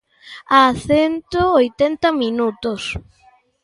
A cento oitenta minutos.